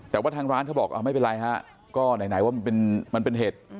แต่ว่าทางร้านเขาบอกไม่เป็นไรฮะก็ไหนว่ามันเป็นเห็ด